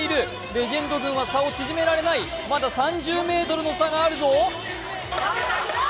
レジェンド軍は差を縮められない、まだ３０ｍの差があるぞ。